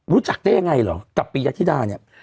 รู้จักได้ยังไงเหรอกับปียะธิดาเนี่ย